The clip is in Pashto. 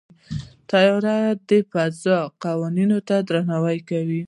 طیاره د فضا قوانینو ته درناوی کوي.